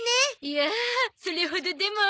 いやそれほどでも。